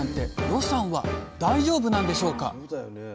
予算は大丈夫なんでしょうか？